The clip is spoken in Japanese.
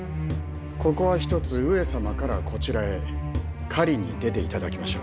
ここはひとつ上様からこちらへ狩りに出て頂きましょう。